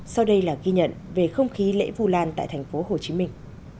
sau đây là ghi nhận về không khí lễ vu lan tại thành phố hồ chí minh